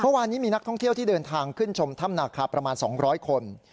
เมื่อวานนี้มีนักท่องเที่ยวที่เดินทางขึ้นชมถ้ำนาคาประมาณ๒๐๐คน